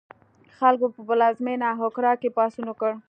خلکو په پلازمېنه اکرا کې پاڅون وکړ.